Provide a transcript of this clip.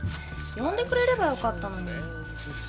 呼んでくれればよかったのに。